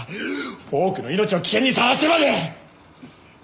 多くの命を危険にさらしてまで！